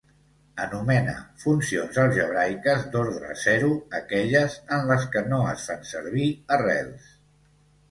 Anomena funcions algèbriques d'ordre zero aquelles en les que no es fan servir arrels.